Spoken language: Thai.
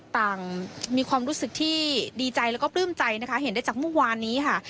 ต่างมีความรู้สึกที่ดีใจแล้วก็ปลื้มใจนะคะเห็นได้จากเมื่อวานนี้ค่ะ